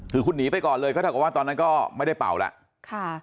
คือคุณหนีไปก่อนเลยก็เท่ากับว่าตอนนั้นก็ไม่ได้เป่าแล้ว